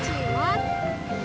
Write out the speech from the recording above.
kacimot dari mana